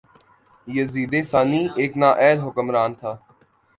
یزید ثانی ایک نااہل حکمران تھا